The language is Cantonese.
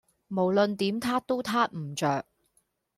無論點撻都撻唔着